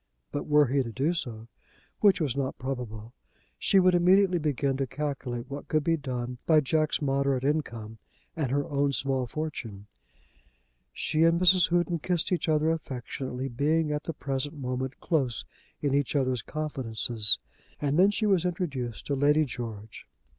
But were he to do so, which was not probable, she would immediately begin to calculate what could be done by Jack's moderate income and her own small fortune. She and Mrs. Houghton kissed each other affectionately, being at the present moment close in each other's confidences, and then she was introduced to Lady George.